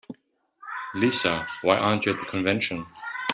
Lisa, why aren't you at the convention?